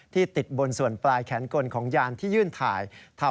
ติดบนส่วนปลายแขนกลของยานที่ยื่นถ่าย